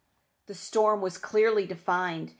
The storm was clearly defined.